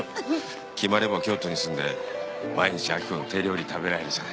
決まれば京都に住んで毎日明子の手料理食べられるじゃん。